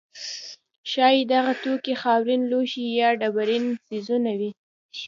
ښایي دغه توکي خاورین لوښي یا ډبرین څیزونه وي.